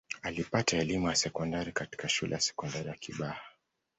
alipata elimu ya sekondari katika shule ya sekondari ya kibaha